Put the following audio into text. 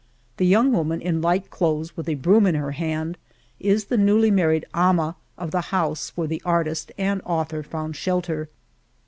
The young woman in light clothes, with a broom in her hand, is the newly married ''ama of the house where artist and author found shelter